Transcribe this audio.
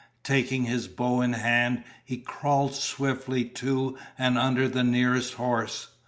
Taking his bow in hand, he crawled swiftly to and under the nearest horse.